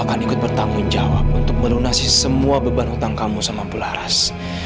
akan ikut bertanggung jawab untuk melunasi semua beban hutang kamu sama pularas